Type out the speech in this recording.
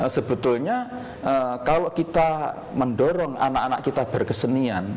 sebetulnya kalau kita mendorong anak anak kita berkesenian